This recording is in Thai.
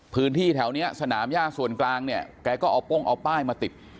พื้นที่แถวนี้สนามย่าส่วนกลางเนี่ยแกก็เอาโป้งเอาป้ายมาติด